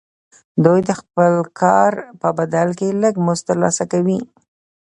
دوی د خپل کار په بدل کې لږ مزد ترلاسه کوي